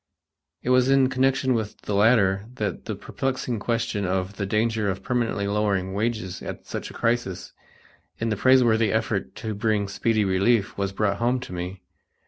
It was in connection with the latter that the perplexing question of the danger of permanently lowering wages at such a crisis, in the praiseworthy effort to bring speedy relief, was brought home to me.